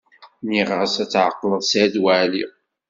Nniɣ-as ad tɛeqleḍ Saɛid Waɛli.